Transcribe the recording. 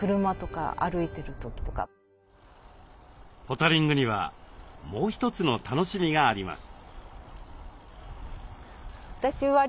ポタリングにはもう一つの楽しみがあります。